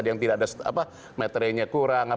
yang tidak ada materainya kurang